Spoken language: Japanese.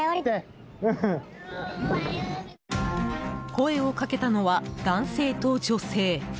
声をかけたのは、男性と女性。